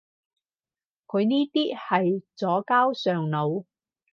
佢呢啲係左膠上腦